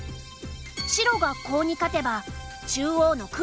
白がコウに勝てば中央の黒が危ない。